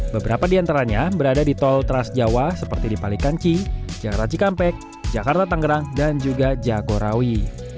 seperti diantaranya berada di tol tras jawa seperti di palikanci jakarta cikampek jakarta tangerang dan juga jagorawi